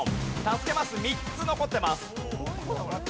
助けマス３つ残ってます。